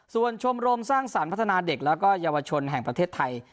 ส่วนชมรมสร้างสรรค์พัฒนาเด็กและเยาวชนแห่งประเทศไทย